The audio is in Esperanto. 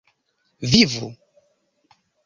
vivu